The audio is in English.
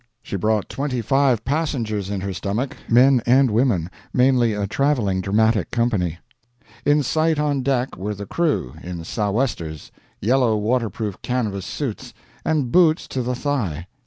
She brought twenty five passengers in her stomach men and women mainly a traveling dramatic company. In sight on deck were the crew, in sou'westers, yellow waterproof canvas suits, and boots to the thigh.